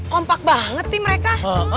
kompak banget sih mereka